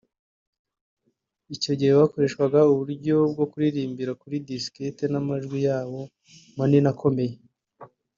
icyo gihe bakoreshwaga uburyo bwo kuririmbira kuri diskette n’amajwi yabo manini akomeye